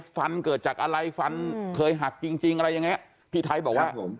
ฟันเกิดจากอะไรฟันเคยหักจริงอะไรยังไงพี่ไทยบอกว่า